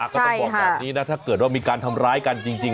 ก็ต้องบอกแบบนี้นะถ้าเกิดว่ามีการทำร้ายกันจริง